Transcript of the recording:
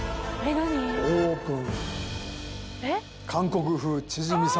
オープン。